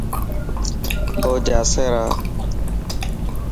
اوجاسي را.